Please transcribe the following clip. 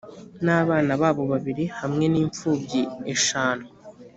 n abana babo babiri hamwe n imfubyi eshanu